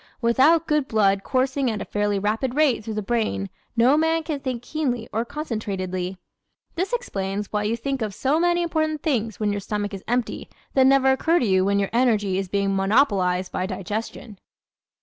Without good blood coursing at a fairly rapid rate through the brain no man can think keenly or concentratedly. This explains why you think of so many important things when your stomach is empty that never occur to you when your energy is being monopolized by digestion.